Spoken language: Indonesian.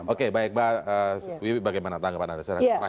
oke baik mbak wiwi bagaimana tanggapan anda